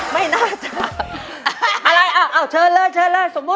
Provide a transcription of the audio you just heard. ไม่ได้